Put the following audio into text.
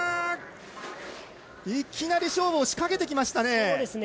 いきなり勝負を仕掛けてきましたね。